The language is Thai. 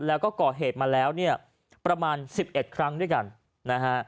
แล้วก็ก่อเหตุมาแล้วเนี่ยประมาณ๑๑ครั้งด้วยกันนะฮะ